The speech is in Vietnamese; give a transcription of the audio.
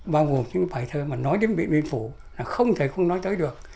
bao gồm những bài thơ mà nói đến điện biên phủ là không thể không nói tới được